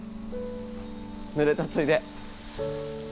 ぬれたついで。